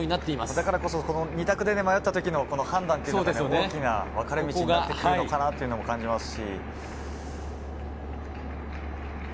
だからこそ２択で迷った時の判断が大きな分かれ道になってくるのかなと感じますし。